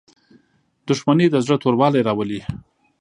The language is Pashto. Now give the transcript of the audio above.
• دښمني د زړه توروالی راولي.